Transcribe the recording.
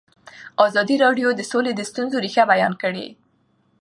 ازادي راډیو د سوله د ستونزو رېښه بیان کړې.